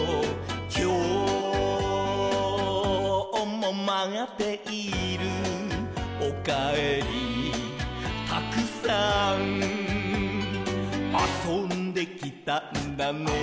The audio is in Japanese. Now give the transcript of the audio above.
「きょうもまっている」「おかえりたくさん」「あそんできたんだね」